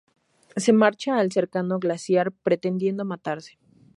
Se marcha al cercano glaciar, pretendiendo matarse.